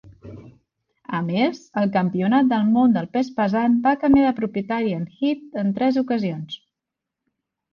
A més, el Campionat del Món del Pes Pesant va canviar de propietari en "Heat" en tres ocasions.